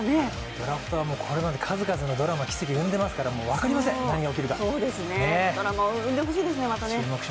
ドラフトはこれまで数々のドラマ・奇跡生んでますから分かりません、何が起きるかドラマを生んでほしいですね、また。